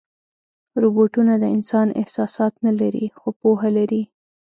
روبوټونه د انسان احساسات نه لري، خو پوهه لري.